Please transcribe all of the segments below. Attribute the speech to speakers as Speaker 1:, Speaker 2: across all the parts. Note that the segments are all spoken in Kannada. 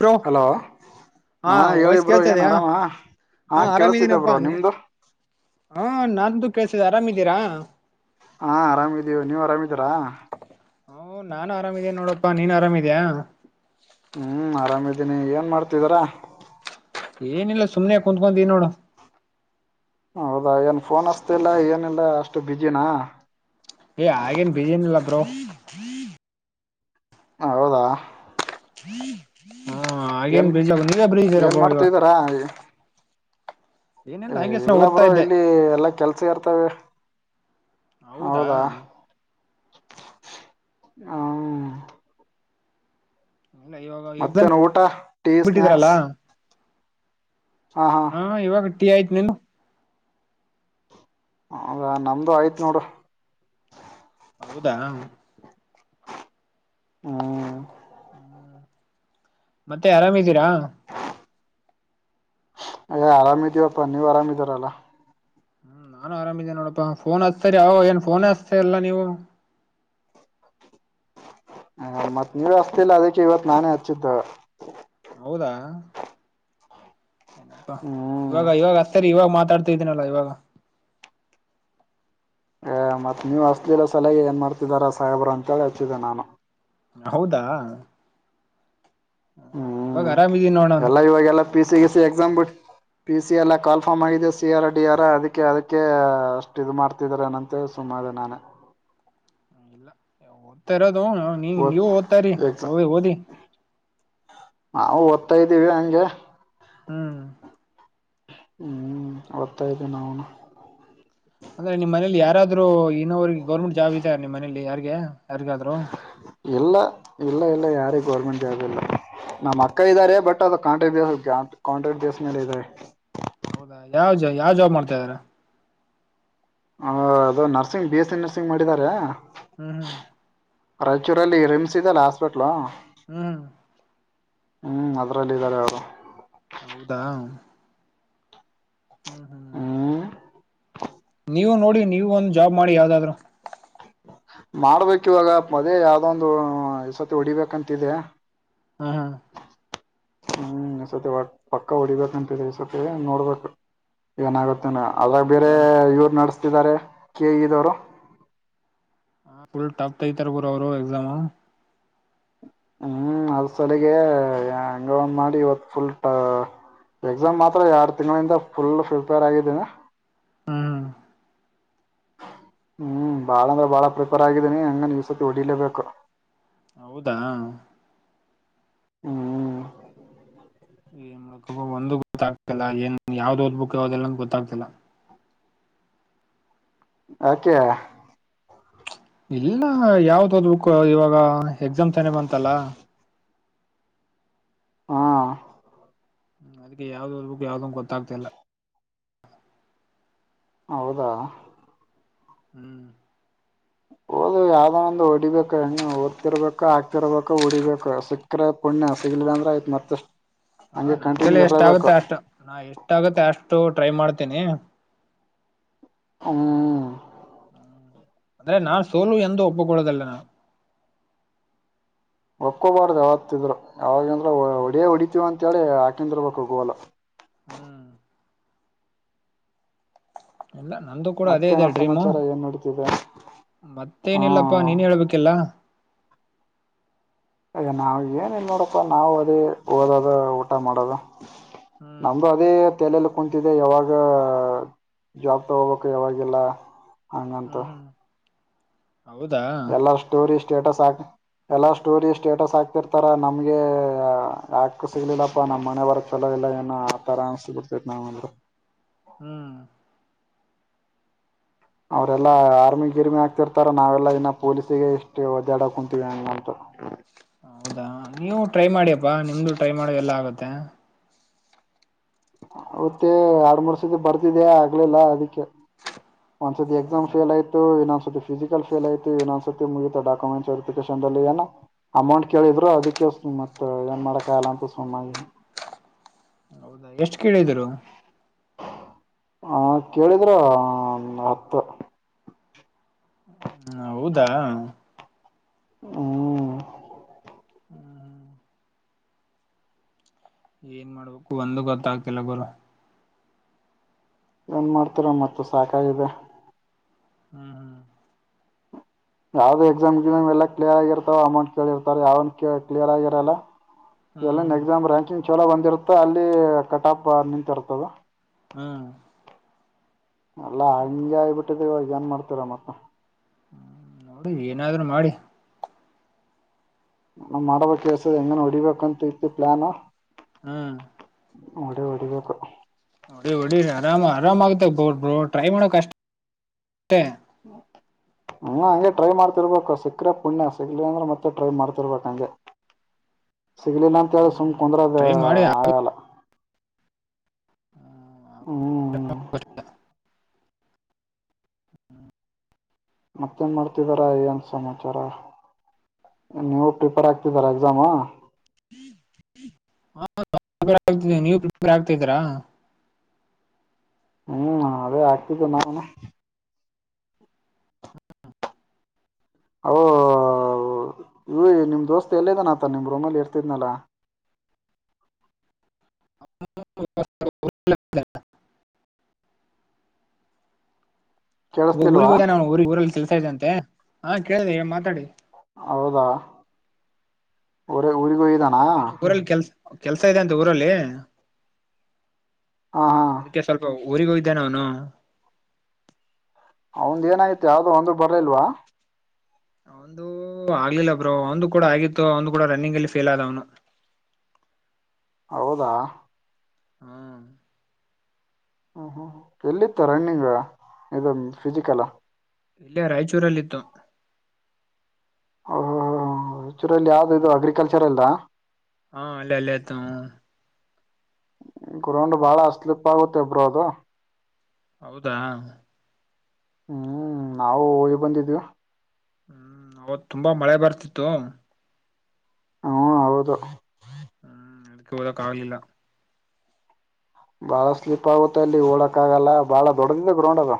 Speaker 1: ಬ್ರೋ
Speaker 2: ಹಲೋ ಹಾ
Speaker 1: ವಾಯ್ಸ್
Speaker 2: ಹೇಳಿಬ್ರೋ
Speaker 1: ಕೇಳ್ತಾ
Speaker 2: ಏನ್
Speaker 1: ಇದೆಯಾ
Speaker 2: ಆರಾಮ ಹಾ ಕೇಳಸತಿದ್ದ ಬ್ರೋ ನಿಮ್ದು
Speaker 1: ಹಾ ನನ್್ದು ಕಳ್ಸಿದ್ದ ಆರಾಮಿದ್ದೀರಾ
Speaker 2: ಹಾ ಅರಾಮಿದೀವು ನೀವ್ ಅರಾಮಿದೀರಾ
Speaker 1: ಹ ನಾನ್ ಆರಾಮಿದೇ ನೋಡಪ್ಪಾ ನೀನ್ ಆರಾಮಿದ್ಯಾ
Speaker 2: ಹ್ಮ್ ಆರಾಮಿದ್ದೀನಿ ಏನ್ ಮಾಡ್ತಿದಾರ
Speaker 1: ಏನಿಲ್ಲ ಸುಮನೆ ಕುತ್ಕೊೀ ನೋಡು
Speaker 2: ಹೌದಾ ಏನ್ ಫೋನ್ ಅಷ್ಟತಿ ಇಲ್ಲ ಏನಿಲ್ಲ ಅಷ್ಟು ಬಿಝಿನ
Speaker 1: ಏ ಆೇನ್ ಬೀಜನಿಲ್ಲ ಬ್ರೋ
Speaker 2: ಹೌದಾ
Speaker 1: ಹಾ
Speaker 2: ಏನ್
Speaker 1: ಹಾಗೇನ್ ಬಿಜಿ ನೀವೇ ಬಿಜಿ ಇದೀರಾ
Speaker 2: ಏನ್
Speaker 1: ಬ್ರೋ ಇವಾಗ
Speaker 2: ಮಾಡ್ತಿದಿರಾ
Speaker 1: ಏನಿಲ್ಲ
Speaker 2: ಏ
Speaker 1: ಹಂಗೆ ಸುಮ್ನೆ
Speaker 2: ಇಲ್ಲ
Speaker 1: ಓದ್ತಾ
Speaker 2: ಬ್ರೋ
Speaker 1: ಇದ್ದೆ
Speaker 2: ಇಲ್ಲಿ ಎಲ್ಲಾ ಕೆಲ್ಸ ಇರ್ತವೆ
Speaker 1: ಹೌದಾ
Speaker 2: ಹ್ಮ
Speaker 1: ಇಲ್ಲ ಇವಾಗ ಎಕ್ಸಾಮ್
Speaker 2: ಮತ್ತೇನ್ ಊಟಾ ಟೀ
Speaker 1: ಬಿಟ್ಟಿದ್ರಲ್ಲ
Speaker 2: ಸ್ನ್ಯಾಕ್ಸ್
Speaker 1: ಹಾ ಇವಾಗ ಟೀ ಆಯ್ತು ನಿಂದ್
Speaker 2: ಹೌದಾ ನಮ್ದು ಆಯ್ತ್ ನೋಡು
Speaker 1: ಹೌದಾ
Speaker 2: ಹ್ಮ್
Speaker 1: ಹ್ಮ ಮತ್ತೆ ಆರಾಮಿದ್ದೀರಾ
Speaker 2: ಏ ಆರಾಮ ಇದೀವಪ್ಪ ನೀವು ಆರಾಮ ಇದಿರ ಅಲಾ
Speaker 1: ಹ್ಮ್ ನಾನು ಆರಾಮಿದಿನಿ ನೋಡಪ್ಪಾ ಫೋನ್ ಹಚ್ತರಿ ಅವಗ ಅವಗ ಏನ್ ಫೋನೇ ಹಾಸ್ತಯಿಲ್ಲ ನೀವು
Speaker 2: ಹ ಮತ್ ನೀವೆ ಹಸ್ತಿಲ್ಲ ಅದೀಕ್ಕೆ ಇವತ್ ನಾನೇ ಹಚ್ಚಿದ್ದ
Speaker 1: ಹೌದಾ ಏನಪ್ಪಾ
Speaker 2: ಹ್ಮ್
Speaker 1: ಇವಾಗ ಇವಾಗ ಹಸ್ತಾಯಿರಿ ಇವಾಗ ಮಾತಾಡ್ತ ತಿದಿನಲ್ಲಾ ಈವಾಗ
Speaker 2: ಏ ಮತ್ ನೀವ್ ಹಚ್ಲಿಲ್ಲ ಸಲಾಗೆ ಏನ್ ಮಾಡ್ತಿದಾರಾ ಸಾಹೇಬ್ರ ಅಂತೇಳಿ ಹಚ್ಚಿದ್ದೆ ನಾನು
Speaker 1: ಹೌದಾ ಹ್ಮ ಇವಾಗ
Speaker 2: ಹ್ಮ್
Speaker 1: ಆರಾಮಿದೀನಿ ನೋಡ ನಾನು
Speaker 2: ಎಲ್ಲಾ ಇವಾಗೆಲ್ಲಾ ಪಿ ಸಿ ಗಿಸಿ ಎಕ್ಸಾಮ್ ಬಿಟ್ ಪಿ ಸಿ ಎಲ್ಲ ಕಾಲ್ ಫಾರ್ಮ್ ಆಗಿದೆ ಸಿ ಆರ್ ಡಿ ಆರ್ ಅದಿಕ್ಕೆ ಅದಿಕ್ಕೆ ಅಷ್ಟ್ ಇದು ಮಾಡ್ತಿದಾರ್ ಏನಂತ ಹೇಳ್ ಸುಮ್ ಮಾಡ್ ನಾನಾ
Speaker 1: ಹ್ಮ ಇಲ್ಲ ಓದ್ತಾ ಇರೋದು ಹ ನೀ ನೀವು ಓದ್ತ್ರರಿ
Speaker 2: ಎಕ್ಸ
Speaker 1: ಹ ಓದಿ
Speaker 2: ನಾವು ಓದ್ತಾ ಇದ್ದೀವಿ ಹಂಗೆ
Speaker 1: ಹ್ಮ್
Speaker 2: ಹ್ಮ್ ಓದ್ತಾ ಇದೀವಿ ನಾವ್ನು
Speaker 1: ಅಂದ್ರೆ ನಿಮ್ಮ ಮನೆಲಿ ಯಾರಾದ್ರೂ ಆದ್ರು ಇನ್ನೋವರಿಗಿ ಗೌರ್ಮೆಂಟ್ ಜಾಬ್ ಇದೆಯಾ ನಿಮ್ಮ ಮನೆಲಿ ಯಾರ್ಗೆ ಯಾರಿಗಾದ್ರು
Speaker 2: ಇಲ್ಲ ಇಲ್ಲ ಇಲ್ಲ ಯಾರಿಗ ಗೌರ್ಮೆಂಟ್ ಜಾಬ್ ಇಲ್ಲ ನಮ್ಮ್ ಅಕ್ಕ ಇದಾರೆ ಬಟ್ ಅದು ಕಾಂಟೆಕ್ಟ್ [unintelligible] ಕಾಂಟೆಕ್ಟ್ ಬೇಸ್ ಮೇಲೆ ಇದೆ
Speaker 1: ಹೌದಾ ಯಾವ ಯಾವ್ ಜಾಬ್ ಮಾಡ್ತಾ ಇದಾರೆ
Speaker 2: ಹ ಅದು nursing B S C nursing ಮಾಡಿದ್ದಾರೆ
Speaker 1: ಹ್ಮ್ ಹ್ಮ್
Speaker 2: ರಾಯಚೂರಲ್ಲಿ ರಿಮ್ಸ್ ಇದೆಲ್ಲಾ ಹಾಸ್ಪೆಟ್ಲ್
Speaker 1: ಹ್ಮ್
Speaker 2: ಹ್ಮ್ ಅದ್ರಲ್ ಇದಾರೆ ಅವರು
Speaker 1: ಹೌದಾ ಹ್ಮ ಹ್ಮ
Speaker 2: ಹ್ಮ್
Speaker 1: ನೀವು ನೋಡಿ ನೀವು ಒಂದ್ ಜಾಬ್ ಮಾಡಿ ಯಾವ್ದಾದ್ರು
Speaker 2: ಮಾಡ್ಬೇಕ್ ಇವಾಗ ಅದೆ ಯಾವ್ದೊಂದು ಈಸತಿ ಹೊಡಿಬೇಕಂತಿದೆ
Speaker 1: ಹ್ಮ ಹ್ಮ
Speaker 2: ಹ್ಮ್ ಈ ಸತಿ ಹೊಡ್ ಪಕ್ಕ ಹೊಡಿಬೇಕಂತ ಇದೆ ಸತಿ ನೋಡ್ಬೇಕ ಏನಾಗುತ್ ನಾ ಅದ್ರಾಗ್ ಬೇರೆ
Speaker 1: ಹೌದಾ
Speaker 2: ಇವ್ರು ನಡೆಸ್ತಿದ್ದಾರೆ ಕೆಇ ದೊರು
Speaker 1: ಹ್ಮ್ ಫುಲ್ ಟಫ್ ತೆಗೀತಾರ ಅವರು ಎಕ್ಸಾಮೂ
Speaker 2: ಹ್ಮ್ ಅದ್ ಸಲಾಗೆ ಹ್ಯಾಂಗೊ ಒಂದ್ ಮಾಡಿ ಇವತ್ ಫುಲ್ ಟ್ ಎಕ್ಸಾಮ್ ಮಾತ್ರ ಎರಡ್ ತಿಂಗಳಿಂದ ಫುಲ್ ಪ್ರಿಪೇರ್ ಆಗಿದೇನೆ
Speaker 1: ಹ್ಮ್
Speaker 2: ಹ್ಮ್ ಬಾಳ ಅಂದ್ರ ಬಾಳ ಪ್ರಿಪೇರ್ ಆಗಿದ್ದೀನಿ ಹೆಂಗನ ಈ ಸತಿ ಹೊಡಿಲೇಬೇಕ
Speaker 1: ಹೌದಾ
Speaker 2: ಹ್ಮ್
Speaker 1: ಏನ್ಕ ಒಂದು ಗೊತ್ತಾಗ್ತಿಲ್ಲ ಏನ್ ಯಾವ್ದ್ ಓದ್ಬೇಕುಕ್ ಯಾವದೆಲ್ಲಂದ ಗೊತ್ತಾಗ್ತಿಲ್ಲ
Speaker 2: ಆಕ
Speaker 1: ಇಲ್ಲ ಯಾವ್ದದ್ ಬುಕ್ ಇವಾಗ ಎಕ್ಸಾಮ್ ತಾನೆ ಬಂತಲ್ಲ
Speaker 2: ಹಾ
Speaker 1: ್ಮ ಅದಕ್ಕೆ ಯಾವ್ದಕ್ು ಯಾವ್ದಂಗ ಗೊತ್ತಾಗ್ತಿ ಇಲ್ಲ
Speaker 2: ಹೌದಾ
Speaker 1: ಹ್ಮ್
Speaker 2: [inaudible] ಹಓದು ಯಾವ್ದೋ ಒಂದು ಹೊಡಿಬೇಕು ಓದತಿರ್ಬೇಕು ಹಾಕ್ತಿರ್ಬೇಕು ಹೊಡಿಬೇಕು ಸಿಕ್ಕರೆ ಪುಣ್ಯ ಸಿ ್ರ ಮತ್ತತ
Speaker 1: ಹ ನನ್ ಕಲ್ಲ ಎಷ್ಟ ಆಗುತ್ತೆ ಅಷ್ಟು ನಾ ಎಷ್ಟ ಆಗುತ್ತೆ ಅಷ್ಟು ಟ್ರೈ ಮಾಡ್ತೇನಿ ಹ್ಮ
Speaker 2: ಹ್ಮ್
Speaker 1: ಅಂದ್ರೆ ನಾನ್ ಸೋಲು ಎಂದ ಒಪ್ಪಕೊಡೋದಲ್ಲ ನಾು
Speaker 2: ಒಕೋಬಾರ್ದ ಯಾವತ್ತಿದ್ರು ಯಾವಾಗ ಅಂದ್ರ ಒಡ
Speaker 1: ಹ್ಮ್
Speaker 2: ಹೊಡ ಹೀವ ಅಂತ ಹೇಳಿ ಆಾಕಂದಿರ್ಬೇಕು ಗೋಲ್ಲ
Speaker 1: ಹ್ಮ್ ಇಲ್ಲ ನಂದು ಕೂಡ ಅದೇ ಇದೆ
Speaker 2: ಮತ್ತೇನೋ
Speaker 1: ಡ್ರೀಮು
Speaker 2: ಸಮಾಚಾರ ಏನ್ ನಡೀತಿದೆ ಹಾ
Speaker 1: ಮತ್ತೆೇನಿಲ್ಲಪ್ಪಾ ನೀನ್ ಹೇಳ್ಬೇಕಿಲ್ಲ
Speaker 2: ಹಾಗ ನಾವವು ಏನ ಇಿಲ್ಲ ನೋಡಪ್ಪಾ ನಾವು ಅದೇ ಓದದ ಊಟ ಮಾಡದು
Speaker 1: ಹ್ಮ್
Speaker 2: ನಮ್ಮ ಅದೇ ತಲೆಯಲ್ಲಿ ಕುೂಂತಿದೆ ಯಾವಾಗ ಜಾಬ್ ತಗೋಬೇಕು ಯಾವಾಗಿಲ್ಲ ಅನ್ನಂತ
Speaker 1: ಹ್ಮ್ ಹ್ಮ್ ಹೌದಾ
Speaker 2: ಸ್ಟೇಟಸ್ ಆಾಕ ಎಲ್ಲಾ ಸ್ಟೋರಿ ಸ್ಟೇಟಸ್ ಆಾಕ್ತಿರ್ತಾರ ನಮ್ಗೆ ಯಾಕ ಸಿಗ್ಲಿಲ್ಲಪ್ಪಾ ನಮ್ಮ್ ಮನೆ ಬರಕ್ ಚಲೋ ಲ್ಲ ಏನ ಆತರ ಅನ್ಸ್ಬಿಡ್ತೇತಿ ನಾವಂದ್ರರು
Speaker 1: ಹ್ಮ್
Speaker 2: ಅವ್ರೆಲ್ಲಾ ಆರ್ಮಿ ಗಿರ್ಮಿ ಆಗ್ತಿರ್ತಾರ ನಾವೆಲ್ಲಾ ಇನ್ನ ಪೊಲೀಸಿಗೆ ಇಷ್ಟು ಒದ್ದಾಡ ಕುಂತೀವಿ ಅಂತ
Speaker 1: ಹೌದಾ ನೀವು ಟ್ರೈ ಮಾಡ್ಯಪ್ಪಾ ನಿಮ್ದು ಟ್ರೈ ಮಾಡೋ ಎಲ್ಲಾ ಆಗತ್ತೆ
Speaker 2: ಮತ್ತೆ ಆಡ್ ಮೂರ್ ಸತಿ ಬರ್ತಿದ್ಯಾ ಆಗ್ಲಿಲ್ಲಾ ಅದಿಕ್ಕೆ ಒಂದ್ಸತಿ ಎಕ್ಸಾಮ್
Speaker 1: ಹೌದಾ
Speaker 2: ಫಲ್ ಆಯ್ತು ಫಿಸಿಕಲ್ ಫೇಲಾಯ್ತು ಏನೋಸತಿ ಮುಗಿತ ಡಕ್ಯುಮೆಂಟ್ಸ್ರಿ ವೆರಿಫಿಕೇಶನ್ ಏನು. ಅಮೌಂಟ್ ಕೇಳಿದ್ರು ಅದಿಕ್ಕೆ. ಮತ್ತ ಏನ್ ಮಾಡರಕಾಗಲ್ಲ ಅಂತ ಸುಮ್ಮನಾಗಿದ್ದೇನೆ.
Speaker 1: ಹೌದಾ ಎಷ್ಟು ಕೇಳಿದರು.
Speaker 2: ಹ ಕೇಳಿದ್ರ ಹಾ ಮಾ ಹತ್ತು.
Speaker 1: ಹ್ಮ ಹೌದಾ
Speaker 2: ಹ್ಮ
Speaker 1: ಹ್ಮ್ ಹ್ಮ ಏನ್ ಮಾಡ್ಬೇಕು ಒಂದು ಗೊತ್ತ ಕಿಲಬರ.
Speaker 2: ಏನ್ ಮಾಡ್ತರ ಮತ್ತೆ ಸಾಕಾಗಿದೆ
Speaker 1: ಹ್ಮ್ ಹ್ಮ್
Speaker 2: ಯಾವ್ದ ಎಕ್ಸಾಮ್ ಎಲ್ಲ ಕ್ಲಿಯರ್ ಆಗಿರ್ತಾವ ಅಮೌಂಟ್ ಕೇಳಿರ್ತಾರೆ ಯಾವ ಕ್ಲಿಯರ್ ಆಗಿರಲ್ಲ
Speaker 1: ಹ್ಮ್
Speaker 2: ಎಲ್ಲಿನ್ ಎಕ್ಸಾಮ್ ರ್ಯಾಂಕಿಂಗ್ ಚಲ ಒಂದಿರ್ತ ಅಲ್ಲಿ ಕಟ ಆಪ್ ನಿಂತಿರ್ತದ
Speaker 1: ಹ್ಮ್
Speaker 2: ಅಲ್ಲಾ ಹಂಗೆ ಆಗಬಿಟ್ಟಿದೆವಾಗ ಏನ್ ಮಾಡ್ತರ ಮತ್ತೆ
Speaker 1: ಅ ಏನಾದ್ರರು ಮಾಡಿ
Speaker 2: ನಾ ಮಾಡಬೇಕ ಕೆಸ್ ಹೆಂಗ ಹೊಡಿಬೇಕಂತ ಇತಿ ಪ್ಲಾನು
Speaker 1: ಹ್ಮ್
Speaker 2: ಒಡ ಓಡಿದಬೇಕ
Speaker 1: ನೋಡಿ ಹೊಡಿ ಆರಾಮ ಆರಾಮ ಆಗತ ಬೊ ಬ್ರೋ ಟ್ರೈ ಮಾಡಕಷ್ಟೆ.
Speaker 2: [inaudible] ಹ ಹಂಗೆ ಟ್ರೈ ಮಾಡ್ತಿರ್ಬೇಕು ಸಿಕ್ಕರೆ ಪುಣ್ಯ ಸಿಗ್ಲಿ ಅಂದ್ರೆ ಮತ್ತೆ ಟ್ರೈ ಮಾಡ್ತಿರ್ಬೇಕ ಹಂಗೆ. ಸಿಗ್ಲಿಲ್ಲ ಅಂತ ಹೇಳ್ರ ಸುಮ್
Speaker 1: ಹ್ಮ್
Speaker 2: ಕುಂದ್ರದ
Speaker 1: ಟ್ರೈ ಮಾಡಿ
Speaker 2: ಆಗಲ್ಲ ಹ್ಮ್್ಮ
Speaker 1: ಹ್ಮ್
Speaker 2: ಮತ್ತೇನ್ ಮಾಡ್ತಿದ್ದಾರಾ ಏನ್ ಸಮಾಚಾರ ನೀವು ಪೇಪರ್ ಆಗ್ತಿದ್ದರ ಎಕ್ಸಾಮಾ.
Speaker 1: ಹಾಪ [unintelligible] ಆತ ನೀವು ಪ್ರಿಪೇರ್ ಆಗ್ತಿದರಾ.
Speaker 2: ಹ್ಮ್ ಅದೇ ಹಾಕ್ತಿದ್ದಿದ್ದು ನಾನುನು. ಹೂ ಹೌ ಇವ ನಿಮ್ ದೋಸ್ತ್ ಎಲ್ಲದಾನ ಅತ ನಿಮ್ ರೂಮಲ್ಲಿ ಇರ್ತಿದ್ನಲ್ಲ.
Speaker 1: [inaudible]
Speaker 2: ಕೇಳಿಸತಿಲ್ವಾ
Speaker 1: ಊರಿಗೆ ಹೋದ ನ ಊರಿಗೆ ಊರಲ್ಲಿ ತಿರುಗುತ ಇದ್ದ ಅಂತೆ ಹ ಕೇಳಿದೆ ಮಾತಾಡಿ.
Speaker 2: ಹೌದಾ ಉರ ಉ ಊರಿಹೋಗಿದಾನ
Speaker 1: ಸ್ವಲ್ಪ ಏನೋ ಊರಲ್ಲಿ ಕೆಲ್ಸ ಕೆಲ್ಸ ಇದೆ ಅಂತ ಊರಲ್ಲಿ
Speaker 2: ಹಾ
Speaker 1: ಅದಕ್ಕೆ ಸ್ವಲ್ಪ ಹೊ. ಊರಿಗೆ ಹೋಗಿದ್ದಾನೆ ಅವನು
Speaker 2: ಅವಂದ ಏನಾಯತಿ ಯಾವ್ದೋ ಒಂದ್ರರು ಬರ್ಲಿಲ್ವಾ
Speaker 1: ಒಂದು ಆಗ್ಲಿಲ್ಲ ಬ್ರೋ ಒಂದು ಕೂಡ ಆಗಿತ್ತು ಅವಂದು ಕೂಡ ರನ್ನಿಂಗ್ ಅಲ್ಲಿ ಫೇಲ್ ಆದ ಅವನ
Speaker 2: ಹೌದಾ
Speaker 1: ಹ್ಮ
Speaker 2: ಹ ಹ್ಮ ಎಲ್ಲಿತ್ತ ರನ್ನಿಂಗ್ ಇ ಫಿಸಿಕಲ್.
Speaker 1: ಇಲ್ಲೇ ರಾಯಚೂರಲ್ಲಿತ್ತು.
Speaker 2: ಹ ಆಕ್ಚರಿಲ್ಲಿ ಯಾವ್ದು ಇದು
Speaker 1: ಹ್ಮ್
Speaker 2: ಅಗ್ರಿಕಲ್ಚರ್ ಎಲ್ಲ.
Speaker 1: ಹಾ ಅಲ್ಲೇ ಅಲ್ಲೇತ.
Speaker 2: ಗ್ರೌಂಡ್ ಬಾಳ ಅ ಸ್ಲಿಪ್ ಆಗುತ್ತೆ ಇಬ್ರೋ ಅದು.
Speaker 1: ಹೌದಾ
Speaker 2: ಹ್ಮ್ ನಾವು ಇ ಬಂದಿದ್ವಿ.
Speaker 1: ಹ್ಮ್ ಅವತ್ ತುಂಬಾ ಮಳೆ ಬರ್ತಿತ್ತು
Speaker 2: ಹ್ಮ ಹೌದು
Speaker 1: ಹ್ಮ್ ಅದಕ್ಕೆ ಓಡೋಕೆ ಆಗಲಿಲ್ಲ
Speaker 2: ಬಾಳ ಸ್ಲಿಪ್ ಆಗುತ್ತ ಅಲ್ಲಿ ಓಡಕ್ ಆಗಲ್ಲ ಬಾಳ ದೊಡ್ಡದಿದೆ ಗ್ರೌಂಡ್ ಅದ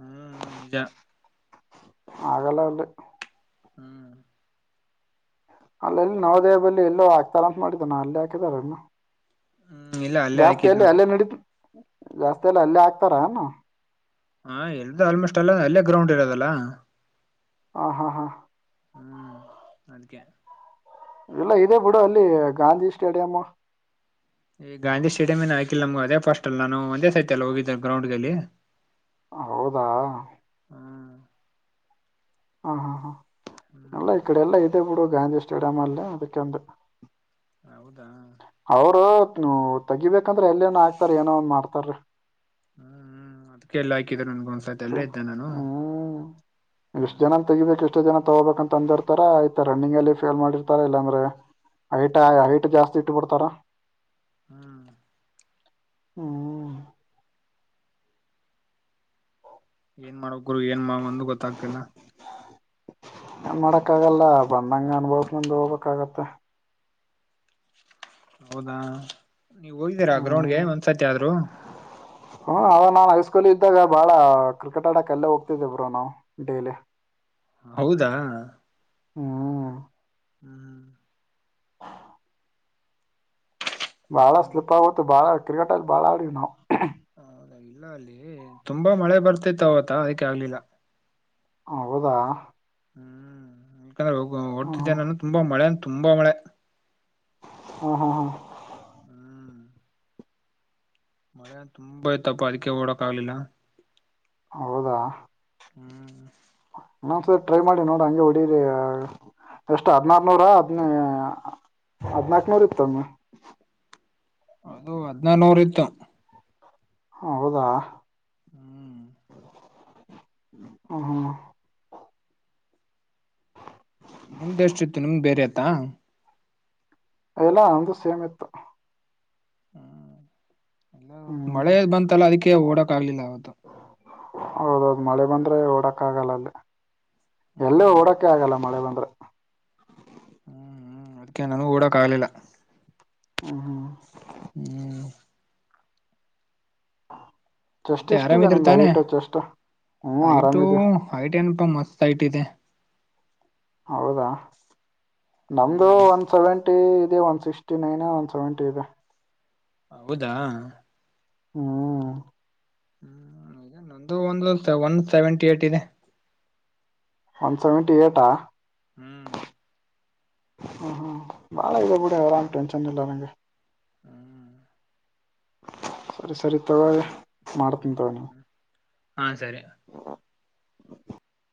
Speaker 1: ಹ್ಮ್ ನಿಜ
Speaker 2: ಆಗಲ್ಲ ಅಲ್ಲಿ
Speaker 1: ಹ್ಮ್
Speaker 2: ಅಲ್ಲ ಎಲ್ಲಿ ನವೋದಯದಲ್ಲಿ ಎಲ್ಲೋ ಹಾಕ್ತಾರ ಅಂತ ಮಾಡಿದ್ದವ ನಾ ಅಲ್ಲಿ ಹಾಕಿದಾರೇನು
Speaker 1: ಹ್ಮ್ ಇಲ್ಲ ಅಲ್ಲೇ ಹಾಕಿದ್
Speaker 2: ಜಾಸ್ತಿಯಲ್ಲಿ
Speaker 1: ನಾನು.
Speaker 2: ಅಲ್ಲೆ ನೆಡಿ ಜಾಸ್ತಿಯಲ್ಲ ಅಲ್ಲೆ ಆಕ್ತಾರ ಏನು
Speaker 1: ಹಾ ಎಲ್ದು ಆಲ್ಮೋಸ್ಟ್ ಎಲ್ಲ ಅಲ್ಲೇ ಗ್ರೌಂಡ್ ಇರೋದಲ್ಲ
Speaker 2: ಹಾ ಹಾ ಹಾ
Speaker 1: ಹ್ಮ್ ಅದಕ್ಕೆೇ
Speaker 2: ಇಲ್ಲ ಇದೆ ಬಿಡು ಅಲ್ಲಿ ಗಾಂಧಿ ಸ್ಟೇಡಿಯಂ
Speaker 1: ಈ ಗಾಂಧಿ ಸ್ಟೇಡಿಯಂ ಇನ್ ಹಾಕಿಲ್ಲ ನಮ್ಗೆ ಅದೇ ಫಸ್ಟ್ ಅಲ್ಲ ನಾನು ಒಂದೇ ಸತಿ ಅಲ್ಲ ಹೋಗಿದ್ದು ಗ್ರೌಂಡ್ಗೆಲ್ಲಿ
Speaker 2: ಹೌದ
Speaker 1: ಹ್ಮ್
Speaker 2: ಹಾ ಹಾ ಹಾ ಎಲ್ಲ
Speaker 1: ಹ್ಮ್
Speaker 2: ಈ ಕಡೆ ಎಲ್ಲಾ ಇದೆ ಬಿಡು ಗಾಂಧಿ ಸ್ಟೇಡಿಯಂ ಅಲ್ಲೇ ಅದಿಕ್ಕೆ ಅಂದೇ
Speaker 1: ಹೌದ
Speaker 2: ತೆಗಿಬೇಕಂದ್ರೆ ಎಲ್ಲ ಏನ ಆಗ್ತಾರ ಏನೋ ಒಂದು ಮಾಡ್ತಾರೇ
Speaker 1: ಹ್ಮ್ ಹ್ಮ್ ಅದಕ್ಕೆಲ್ಲ ಹಾಕಿ
Speaker 2: ಹ್ಮ್ ಎಷ್ಟು
Speaker 1: ಹ್ಮ್
Speaker 2: ಜನ ತೆಗಿಬೇಕು ಎಷ್ಟು ಜನ ತಗೋಬೇಕ ಅಂತ ಅಂದಿರ್ತಾರ ಆಯ್ತ ರರನ್ನಿಂಗ್ ಅಲ್ಲಿ ಫೇಲ್ ಮಾಡಿರ್ತಾರ ಇಲ್ಲಾ ಅಂದ್ರೆ ಹೈಟ್ ಹೈಟ್ ಹೈಟ್ ಜಾಸ್ತಿ ಇಟ್ಟಬಿಡ್ತಾರ
Speaker 1: ಹ್ಮ್
Speaker 2: ಹ್ಮ್
Speaker 1: ಏನ್ ಮಾಡಬೇಕು ಗುರು ಏನ್ ಒಂದು ಗೊತ್ತಾಗ್ತಿಲ್ಲ
Speaker 2: ಏನ್ ಮಾಡಕ್ಕ ಆಗಲ್ಲ ಬಂದಂಗ ಅನುಭವದ ಮುಂದ ಹೋಗಬೇಕಾಗುತ್ತೆ
Speaker 1: ಹೌದಾ ನೀವ ಹೋಗಿದ್ದೀರಾ ಗ್ರೌಂಡ್ಗೆ ಒಂದ್ಸತಿ ಆದ್ರು
Speaker 2: ಹ್ಮ ಅವ ನಾನ್ ಹೈಸ್ಕೂಲ್ ಇದ್ದಾಗ ಬಾಳ ಕ್ರಿಕೆಟ್ ಆಡಕ್ ಅಲ್ಲೇ ಹೋಗ್ತಿದ್ದೇ ಬ್ರೋ ನಾವು ಡೈಲಿ
Speaker 1: ಹೌದಾ
Speaker 2: ಹ್ಮ್
Speaker 1: ಹ್ಮ್ ಹ್ಮ
Speaker 2: ಹಾ ಬಾಳ
Speaker 1: ಹ್ಮ್
Speaker 2: ಸ್ಲಿಪ್ ಆಗುತ್ತ ಬಾಳ ಕ್ರಿಕೆಟ್ ಅಲ್ಲಿ ಬಾಳ ಆಡೀವಿ ನಾವು
Speaker 1: ಹೌದ ಇಲ್ಲ ಅಲ್ಲಿ ತುಂಬಾ ಮಳೆ ಬರ್ತಿತ್ತು ಆವ್ತು ಅದಕ್ಕೆ ಆಗ್ಲಿಲ್ಲ
Speaker 2: ಹ ಹೌದಾ
Speaker 1: ಹ್ಮ್ ಅಕಂದ್ರೆ
Speaker 2: ಹ್ಮ್
Speaker 1: ಓಡ್ತಿದೆ ನಾನು ತುಂಬಾ ಮಳೆ ತುಂಬಾ ಮಳೆ
Speaker 2: ಹಾ ಹಾ ಹಾ
Speaker 1: ಹ್ಮ್ ಮಳೆ ತುಂಬ ಆಯ್ತಪ್ಪ ಅದಕ್ಕೆ ಓಡಕ್ ಆಗ್ಲಿಲ್ಲ
Speaker 2: ಹೌದಾ
Speaker 1: ಹ್ಮ್
Speaker 2: ಹ ಸರ್ ಟ್ರೈ ಮಾಡಿ ನೋಡು ಹಗೆ ಹೊಡೀರಿ ಎಷ್ಟ್ ಹದ್ನಾರನೂರ ಹದ್ನ ಹದ್ನಾಕ್ನೂರ್ ಇತ್ತಮ್ಮ.
Speaker 1: ಅದು ಹದ್ನೂರ ನೂರು ಇತ್ತು.
Speaker 2: ಹೌದಾ
Speaker 1: ಹ್ಮ್
Speaker 2: ಹ ಹ
Speaker 1: ತ
Speaker 2: ಇಲ್ಲ ಅವಂದು ಸೇಮ್ ಇತ್ತು
Speaker 1: ಹ್ಮ
Speaker 2: ಹ್ಮ್
Speaker 1: ಮಳೆ ಬಂತಲ್ಲ ಅದಕ್ಕೆ ಓಡಕ್ ಆಗ್ಲಿಲ್ಲ ಅವ
Speaker 2: ಹೌದೌದು ಮಳೆ ಬಂದ್ರೆ ಓಡಕ್ ಆಗಲ್ಲ ಅಲ್ಲಿ ಎಲ್ಲೂ
Speaker 1: ಹ್ಮ್
Speaker 2: ಓಡೋಕ ಆಗಲ್ಲ ಮಳೆ ಬಂದ್ರೆ
Speaker 1: ಹ್ಮ್ ಹ್ಮ್ ಅದ್ಕ್ಕೆ ನನೂ ಕೂಡಕಾಗ್ಲಿಲ್ಲ.
Speaker 2: ಹ್ಮ ಹಾ
Speaker 1: ಹ್ಮ್
Speaker 2: ಚೆಸ್ಟ್
Speaker 1: ಮತ್ತೆ
Speaker 2: ಎಷ್ಟಿದೆ
Speaker 1: ಆರಾಮಿದ್ರೆ
Speaker 2: ನಿಮ್ದು
Speaker 1: ತಾನೇ
Speaker 2: ಹೈಟ್ ಚೆಸ್ಟ್ ಹ್ಞೂ
Speaker 1: ಐಟು
Speaker 2: ಆರಾಮಿದೀವಿ
Speaker 1: ಐಟ ಎನ್? ತುಂಬ ಮಸ್ತ್ ಹೈಟ್ ಇದೆ.
Speaker 2: ಹೌದಾ ನಮ್ದು
Speaker 1: ಹ್ಮ್
Speaker 2: ಒಂದು ಸೆವೆಂಟ ಇ one sixty nine one seventy ಇದೆ.
Speaker 1: ಹೌದಾ
Speaker 2: ಹ್ಮ್
Speaker 1: ಹ್ಮ್ ಈಗ ನಂದು ಒಂದು ಒನ್ ಸೆವೆಂಟಿ ಏಟ್ ಇದೆ.
Speaker 2: ಒನ್ ಸೆವೆಂಟಿ ಏಟಾ
Speaker 1: ಹ್ಮ್
Speaker 2: ಹ್ಮ ಹ್ಮ್ ನಾಳೆ ಇದ ಬಿಡ ಅವಲ್ಲ ಟೆನ್ಷನ್ ಇಲ್ಲಾರೆಂಗ.
Speaker 1: ಹ್ಮ್
Speaker 2: ಸರಿ ಸರಿ ತಗ ಮಾಡ್ತನಂತವ ನೀವು.
Speaker 1: ಹಾ ಸರಿ
Speaker 2: [inaudible]